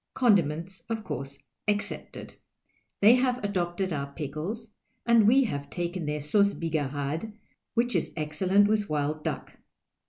Condiments, of course, excepted. They have adoj)tcd our pickles, and we have taken their sauce higarade, which is excellent with wild duck.